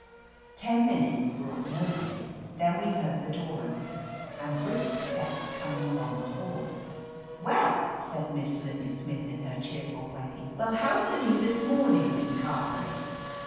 Ten minutes brought nobody. Then we heard the door open, and brisk steps coming along the hall. "Well," said Miss Linda Smith, in her cheer ful way, "well, how's the knee this morning. Miss Carberry?"